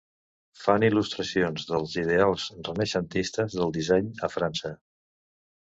Fan il·lustracions dels ideals renaixentistes del disseny a França.